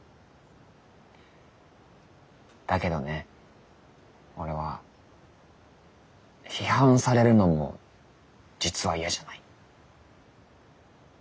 だけどね俺は批判されるのも実は嫌じゃない。